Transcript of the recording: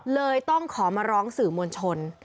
เลยต้องขอมาร้องสื่อมวลชน